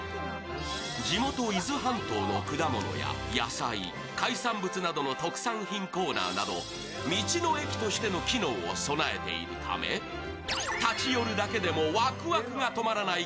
地元・伊豆半島の果物や野菜、海産物などの特産品コーナーなど道の駅としての機能を備えているため立ち寄るだけでもワクワクが止まらない